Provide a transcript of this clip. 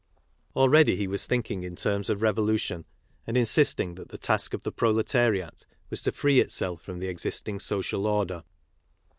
' Already he^"was~fhmkmg~tir'teinis of TBVC)1trrron, and insisting that the task of the proletariat was to free itself from the existing social order.